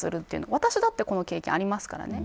私だってこの経験ありますからね。